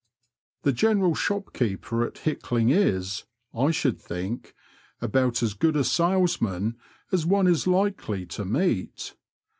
The general shopkeeper at Hickling is, I should think, about as good a salesman as one is likely to meet.